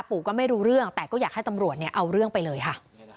ปู่ก็ไม่รู้เรื่องแต่ก็อยากให้ตำรวจเนี่ยเอาเรื่องไปเลยค่ะ